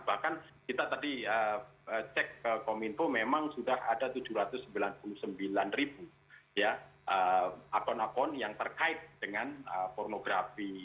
bahkan kita tadi cek ke kominfo memang sudah ada tujuh ratus sembilan puluh sembilan ribu akun akun yang terkait dengan pornografi